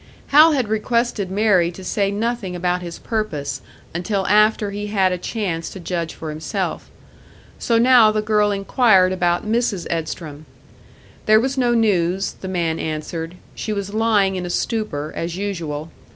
Hal had requested Mary to say nothing about his purpose, until after he had a chance to judge for himself. So now the girl inquired about Mrs. Edstrom. There was no news, the man answered; she was lying in a stupor, as usual.